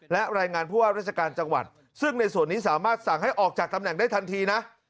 และรายงานผู้ว่าราชการจังหวัดซึ่งในส่วนนี้สามารถสั่งให้ออกจากตำแหน่งได้ทันทีนะ